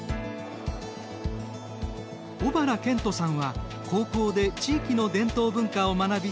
小原健斗さんは高校で地域の伝統文化を学び